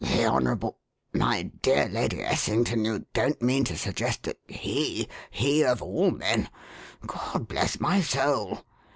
"The Honourable my dear Lady Essington, you don't mean to suggest that he he of all men God bless my soul!"